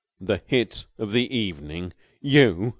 "The hit of the evening! You!